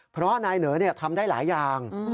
เพราะนายเหนอทำได้หลายอย่าง